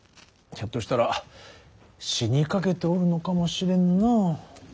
ひょっとしたら死にかけておるのかもしれんな。